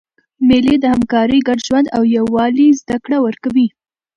مېلې د همکارۍ، ګډ ژوند او یووالي زدهکړه ورکوي.